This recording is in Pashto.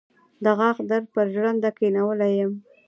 د غاښ درد پر ژرنده کېنولی يم.